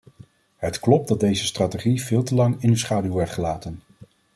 Het klopt dat deze strategie veel te lang in de schaduw werd gelaten.